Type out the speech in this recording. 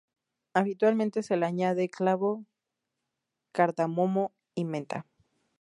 Habitualmente se le añade clavo, cardamomo y menta.